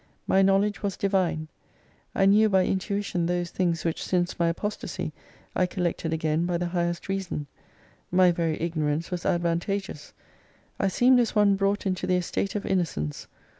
My knowledge was Divine. I knew by intuition those things which since my Apostasy, I collected again by the highest reason. My very ignorance was advantageous. I seemed as one brought into the Estate of Innocence.